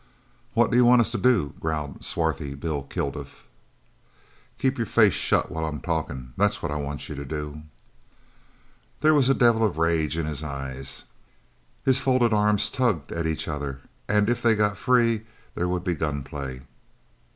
"What do you want us to do?" growled swarthy Bill Kilduff. "Keep your face shut while I'm talkin', that's what I want you to do!" There was a devil of rage in his eyes. His folded arms tugged at each other, and if they got free there would be gun play.